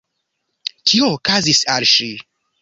Kio okazis al ŝi?